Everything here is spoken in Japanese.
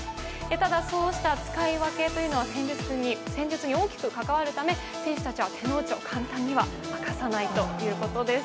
ただ、そうした使い分けは戦術に大きく関わるため選手たちは、手の内を簡単には明かさないということです。